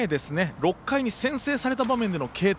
６回に先制された場面での継投